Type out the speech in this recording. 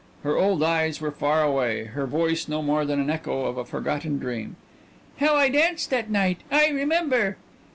Her old eyes were far away, her voice no more than the echo of a forgotten dream. "How I danced that night! I remember."